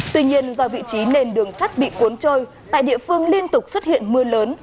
tuy nhiên do vị trí nền đường sắt bị cuốn trôi tại địa phương liên tục xuất hiện mưa lớn